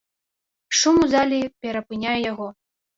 Шум у зале перапыняе яго.